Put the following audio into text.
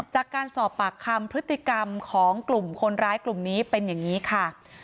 จากการสอบปากคำพฤติกรรมของกลุ่มคนร้ายกลุ่มนี้เป็นอย่างนี้ค่ะ